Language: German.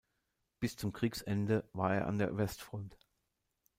Bis zum Kriegsende war er an der Westfront.